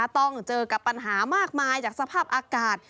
ต้องเจอกับปัญหามากมายจากสภาพอากาศ